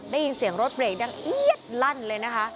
ได้ยินเสียงรถเบรกดังเอี๊ยดลั่นเลยนะคะ